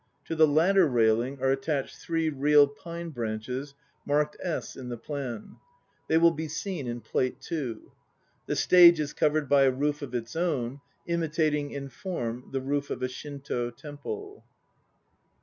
To the latter railing are attached three real pine branches, marked S in the plan. They will be seen in Plate II. The stage is covered by a roof of its own, imitating in form the roof of a Shintd temple.